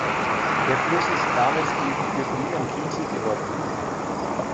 Der Fluss ist namensgebend für Prien am Chiemsee geworden.